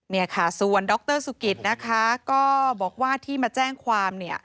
เนี่ยค่ะส่วนดรสุกิตนะคะก็บอกว่าที่มาแจ้งความเนี่ย